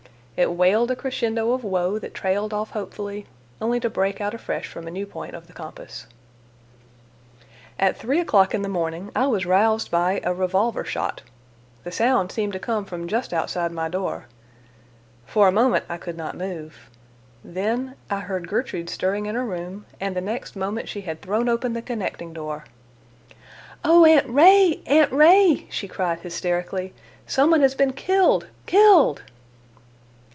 It wailed a crescendo of woe that trailed off hopefully, only to break out afresh from a new point of the compass. At three o'clock in the morning I was roused by a revolver shot. The sound seemed to come from just outside my door. For a moment I could not move. Then—I heard Gertrude stirring in her room, and the next moment she had thrown open the connecting door. "O Aunt Ray! Aunt Ray!" she cried hysterically. "Some one has been killed, killed!"